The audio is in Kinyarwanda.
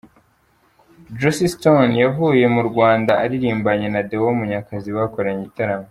Joss Stone yavuye mu Rwanda aririmbanye na Deo Munyakazi bakoranye igitaramo.